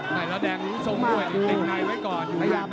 แล้วแดงรู้ทรงด้วยเตรียมในไว้ก่อน